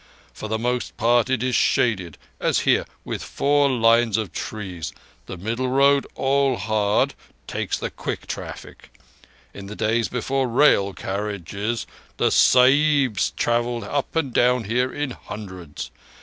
For the most part it is shaded, as here, with four lines of trees; the middle road—all hard—takes the quick traffic. In the days before rail carriages the Sahibs travelled up and down here in hundreds.